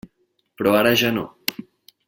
Però ara ja no.